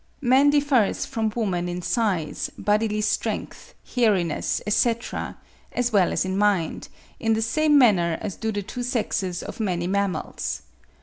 Man differs from woman in size, bodily strength, hairiness, etc., as well as in mind, in the same manner as do the two sexes of many mammals.